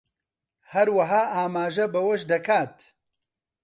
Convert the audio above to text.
هەروەها ئاماژە بەوەش دەکات